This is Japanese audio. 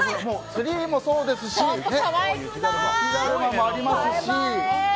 ツリーもそうですし雪だるまもありますし。